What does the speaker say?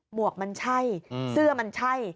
หวกมันใช่เสื้อมันใช่